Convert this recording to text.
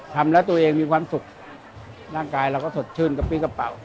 ทำแล้วตัวเองมีความสุขร่างกายเราก็สดชื่นกะปิ้กระเป๋า